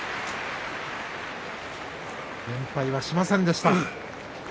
連敗はしませんでした。